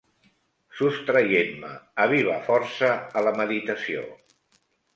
Sostraient-me a viva força a la meditació